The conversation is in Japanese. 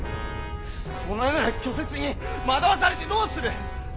そのような虚説に惑わされてどうする！